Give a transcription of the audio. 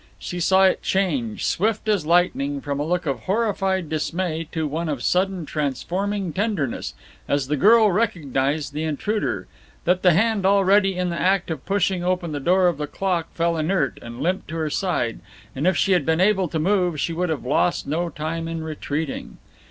She saw it change, swift as lightning, from a look of horrified dismay to one of sudden transforming tenderness, as the girl recognized the intruder, that the hand already in the act of pushing open the door of the clock fell inert and limp to her side, and if she had been able to move she would have lost no time in retreating.